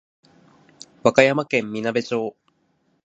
和歌山県みなべ町